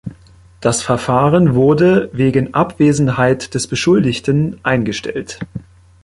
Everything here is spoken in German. Das Verfahren wurde „wegen Abwesenheit des Beschuldigten“ eingestellt.